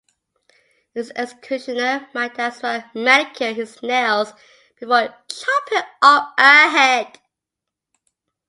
An executioner might as well manicure his nails before chopping off a head.